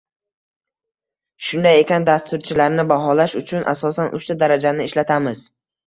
Shunday ekan, dasturchilarni baholash uchun asosan uchta darajani ishlatamiz